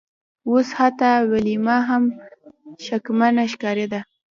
اوس حتی ویلما هم شکمنه ښکاریده